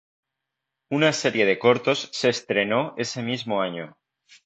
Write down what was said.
Una serie de cortos se estrenó ese mismo año.